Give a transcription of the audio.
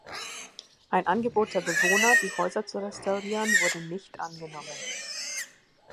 Ein Angebot der Bewohner, die Häuser zu restaurieren, wurde nicht angenommen.